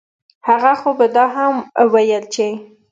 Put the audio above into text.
هغه خو به دا هم وييل چې